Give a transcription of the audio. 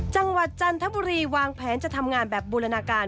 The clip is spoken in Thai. จันทบุรีวางแผนจะทำงานแบบบูรณาการ